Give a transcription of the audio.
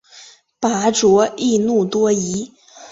拔灼易怒多疑。